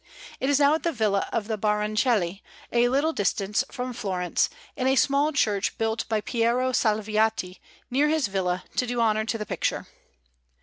It is now at the villa of the Baroncelli, a little distance from Florence, in a small church built by Piero Salviati near his villa to do honour to the picture.